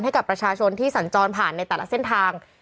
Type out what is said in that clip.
ให้กับประชาชนที่สัญจรผ่านในแต่ละเส้นทาง